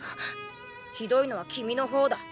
ひどいのは君の方だ。